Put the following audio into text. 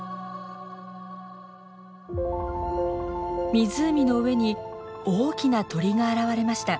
湖の上に大きな鳥が現れました。